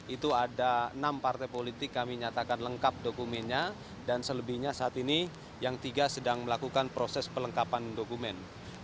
itu ada enam partai politik kami nyatakan lengkap dokumennya dan selebihnya saat ini yang tiga sedang melakukan proses pelengkapan dokumen